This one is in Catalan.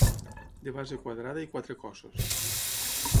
De base quadrada i quatre cossos.